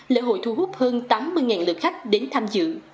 lễ hội thu hút hơn tám mươi lượt khách đến tham dự